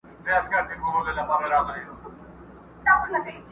یو ګنجی خدای برابر پر دې بازار کړ؛